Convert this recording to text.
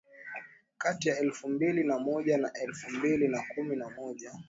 kati ya elfu mbili na moja na elfu mbili na kumi na moja